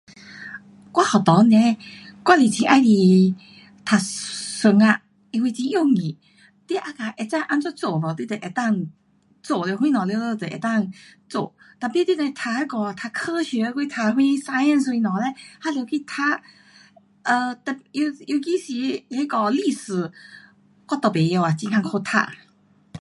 我学堂呢，我是很喜欢读数学，因为很容易，你 agak 会知怎样做咯，你就能够做了，什么全部都能够做，tapi 你若是读那个啊，读科学还是读什 science 什么嘞还得去读，呃，特，尤，尤其是那个历史，我都甭晓啊，会困苦读。